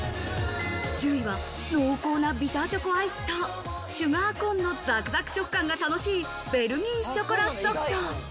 １０位は濃厚なビターチョコアイスとシュガーコーンのザクザク食感が楽しいベルギーショコラソフト。